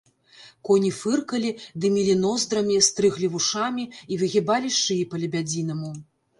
Коні фыркалі, дымілі ноздрамі, стрыглі вушамі і выгібалі шыі па-лебядзінаму.